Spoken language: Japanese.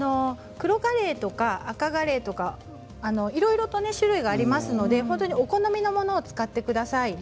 クロガレイとかアカガレイとか、いろいろ種類がありますのでお好みのものを使ってください。